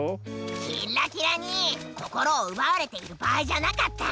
キッラキラにこころをうばわれているばあいじゃなかった！